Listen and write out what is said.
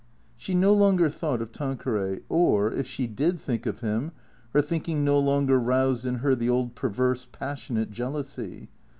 She no longer thought of Tanqueray. Or, if she did think of him, her thinking no longer roused in her the old perverse, passionate jealousy.